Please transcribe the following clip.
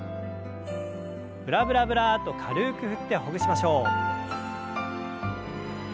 ブラブラブラッと軽く振ってほぐしましょう。